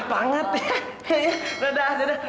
sampaikan nanti belakang answer